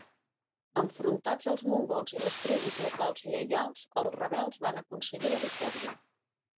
Enfrontats als mongols i les tribus locals lleials, els rebels van aconseguir la victòria.